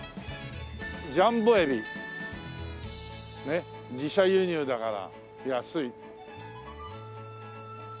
「ジャンボ海老」「自社輸入だから安い！！」